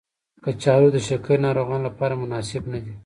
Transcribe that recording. کچالو د شکرې ناروغانو لپاره مناسب ندی.